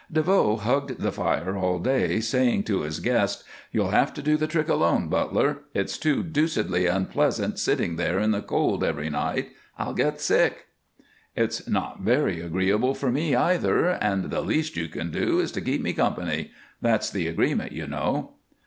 DeVoe hugged the fire all day, saying to his guest: "You'll have to do the trick alone, Butler; it's too deucedly unpleasant sitting there in the cold every night. I'll get sick." "It's not very agreeable for me, either, and the least you can do is to keep me company. That's the agreement, you know."